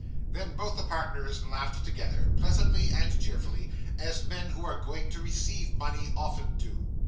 Then both the partners laughed together pleasantly and cheerfully, as men who are going to receive money often do.